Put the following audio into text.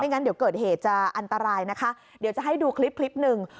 งั้นเดี๋ยวเกิดเหตุจะอันตรายนะคะเดี๋ยวจะให้ดูคลิปคลิปหนึ่ง